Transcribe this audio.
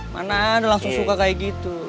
mana ada langsung suka kayak gitu